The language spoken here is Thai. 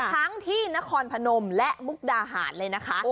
ทั้งที่นครพนมและมุกดาหารเลยนะคะ